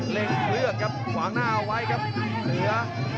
เล่นเสือครับหวางหน้าเอาไว้ครับเสือ